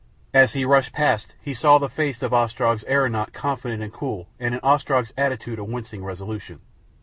As he rushed past he saw the face of Ostrog's aeronaut confident and cool and in Ostrog's attitude a wincing resolution.